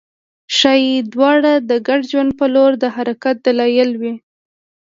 ښايي دواړه د ګډ ژوند په لور د حرکت دلایل وي